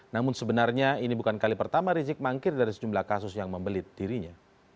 namun sebenarnya ini bukan kali pertama rizik mangkir dari sejumlah kasus yang membelit dirinya